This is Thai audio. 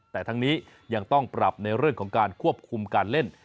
แต่ทั้งนี้ยังต้องปรับในเรื่องของการควบคุมการเล่น